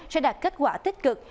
sẽ đạt kết quả tích cực